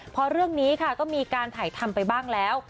พอเรื่องนี้ค่ะก็มีการถ่ายทำไปบ้างแล้ว